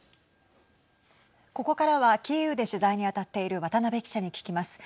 ここからはキーウで取材に当たっている渡辺記者に聞きます。